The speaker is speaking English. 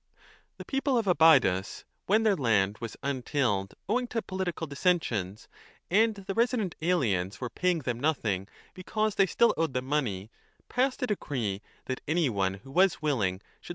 The people of Abydos, when their land was untilled owing to political dissensions and the resident aliens were paying them nothing because they still owed them money, 5 passed a decree that any one who was willing should lend 1 Reading uc/> tnvrw for (/> tnvrov in 1.